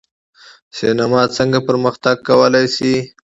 سینما څنګه پرمختګ کولی شي؟